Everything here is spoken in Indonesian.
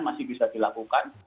masih bisa dilakukan